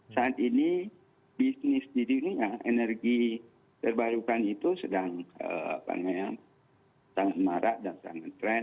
saat ini bisnis di dunia energi terbarukan itu sedang sangat marak dan sangat trend